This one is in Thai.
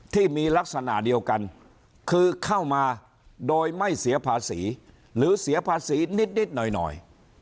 ที่มีลักษณะเดียวกันคือเข้ามาโดยไม่เสียภาษีหรือเสียภาษีนิดหน่อย